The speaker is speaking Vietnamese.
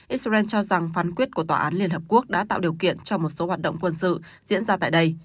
israel cho rằng phán quyết của tòa án liên hợp quốc đã tạo điều kiện cho một số hoạt động quân sự diễn ra tại đây